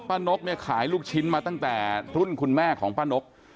นกเนี่ยขายลูกชิ้นมาตั้งแต่รุ่นคุณแม่ของป้านก